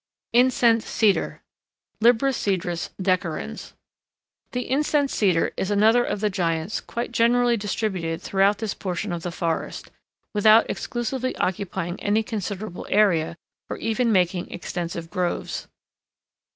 INCENSE CEDAR (Libocedrus decurrens) The Incense Cedar is another of the giants quite generally distributed throughout this portion of the forest, without exclusively occupying any considerable area, or even making extensive groves.